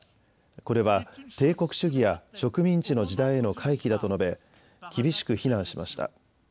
これは帝国主義や植民地の時代への回帰だと述べ厳しく非難しました。